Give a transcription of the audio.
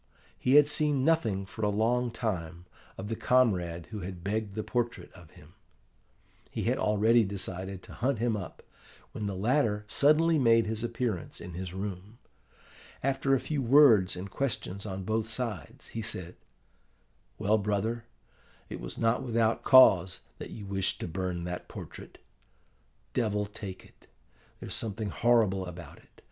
He had seen nothing for a long time of the comrade who had begged the portrait of him. He had already decided to hunt him up, when the latter suddenly made his appearance in his room. After a few words and questions on both sides, he said, 'Well, brother, it was not without cause that you wished to burn that portrait. Devil take it, there's something horrible about it!